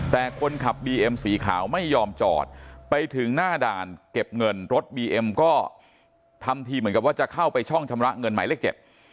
แต่คนขับบีเอ็มสีขาวไม่ยอมจอดไปถึงหน้าด่านเก็บเงินรถบีเอ็มก็ทำทีเหมือนกับว่าจะเข้าไปช่องชำระเงินหมายเลขเจ็ด